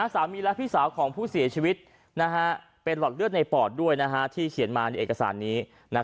สามีและพี่สาวของผู้เสียชีวิตเป็นหลอดเลือดในปอดด้วยที่เขียนมาในเอกสารนี้